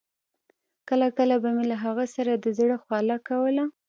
کله کله به مې له هغه سره د زړه خواله کوله.